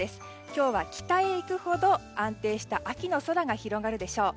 今日は北へ行くほど安定した秋の空が広がるでしょう。